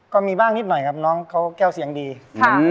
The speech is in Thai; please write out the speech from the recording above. ก็มีบ้างนิดหน่อยครับน้องเขาแก้วเสียงดีครับ